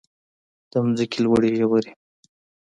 د ځمکې لوړې ژورې.